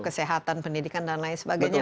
kesehatan pendidikan dan lain sebagainya